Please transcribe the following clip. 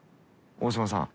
大島さん。